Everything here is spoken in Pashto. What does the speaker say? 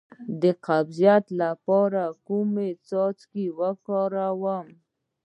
د قبضیت لپاره کوم څاڅکي وکاروم؟